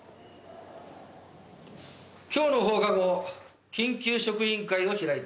今日の放課後緊急職員会を開いて頂きます。